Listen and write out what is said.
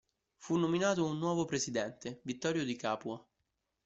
Fu nominato un nuovo presidente, Vittorio Di Capua.